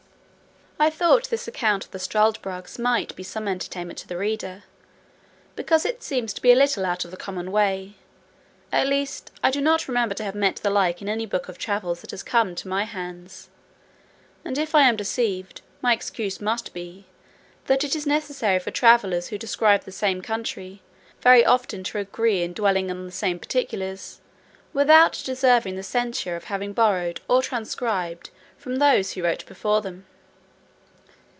I thought this account of the struldbrugs might be some entertainment to the reader, because it seems to be a little out of the common way; at least I do not remember to have met the like in any book of travels that has come to my hands; and if I am deceived, my excuse must be, that it is necessary for travellers who describe the same country, very often to agree in dwelling on the same particulars, without deserving the censure of having borrowed or transcribed from those who wrote before them.